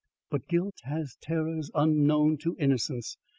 But guilt has terrors unknown to innocence.